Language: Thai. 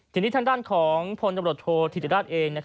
ทีนี้ทางด้านของพลตำรวจโทษธิติราชเอง